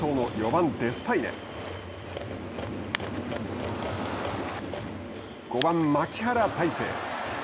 ５番、牧原大成。